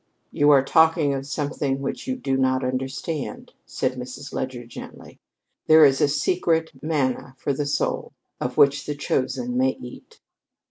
"You are talking of something which you do not understand," said Mrs. Leger gently. "There is a secret manna for the soul of which the chosen may eat."